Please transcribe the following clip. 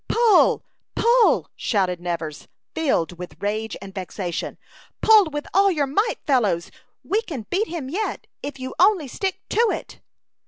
"Pull! Pull!" shouted Nevers, filled with rage and vexation. "Pull with all your might, fellows. We can beat him yet, if you only stick to it."